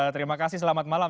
terima kasih selamat malam